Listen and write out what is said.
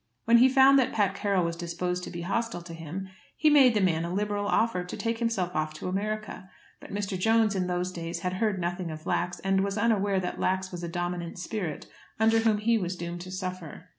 When he found that Pat Carroll was disposed to be hostile to him, he made the man a liberal offer to take himself off to America. But Mr. Jones, in those days, had heard nothing of Lax, and was unaware that Lax was a dominant spirit under whom he was doomed to suffer.